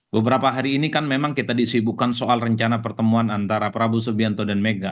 beberapa hari ini kan memang kita disibukan soal rencana pertemuan antara prabowo subianto dan mega